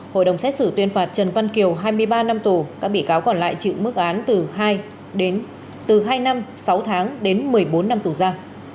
hội đồng xét xử tuyên phạt trần văn kiều hai mươi ba năm tù các bị cáo còn lại chịu mức án từ hai năm sáu tháng đến một mươi bốn năm tù gia